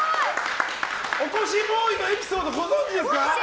起こしボーイのエピソードご存知ですか？